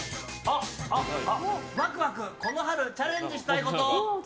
ワクワクこの春チャレンジしたいこと。